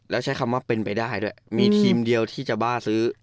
แล้วใช้คำว่าเป็นไปได้ด้วยมีทีมเดียวที่จะบ้าซื้อ